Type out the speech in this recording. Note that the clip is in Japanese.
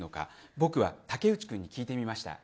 僕は武内君に聞いてみました。